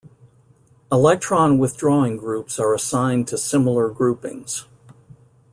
Electron withdrawing groups are assigned to similar groupings.